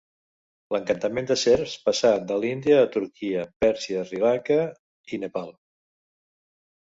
L'encantament de serps passà de l'Índia a Turquia, Pèrsia, Sri Lanka i Nepal.